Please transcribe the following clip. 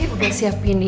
udah siap ini ya